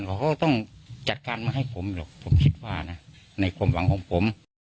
เขาก็ต้องจัดการมาให้ผมหรอกผมคิดว่านะในความหวังของผม